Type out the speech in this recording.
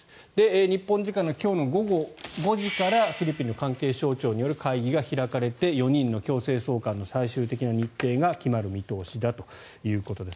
日本時間の今日の午後５時からフィリピンの関係省庁による会議が開かれて４人の強制送還の最終的な日程が決まる見通しだということです。